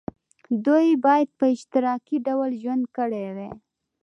دوی باید په اشتراکي ډول ژوند کړی وای.